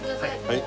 はい。